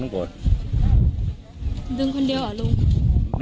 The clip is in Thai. ดึงคนเดียวเหรอลุง